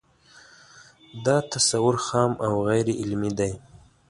دا تصور خام او غیر علمي دی